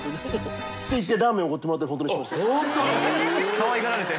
かわいがられて。